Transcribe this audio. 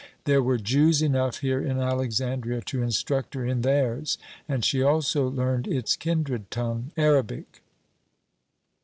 There were Jews enough here in Alexandria to instruct her in theirs, and she also learned its kindred tongue, Arabic.